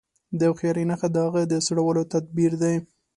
د هوښياري نښه د هغې د سړولو تدبير دی.